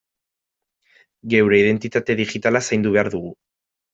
Geure identitate digitala zaindu behar dugu.